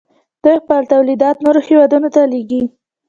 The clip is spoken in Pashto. دوی خپل تولیدات نورو هیوادونو ته لیږي.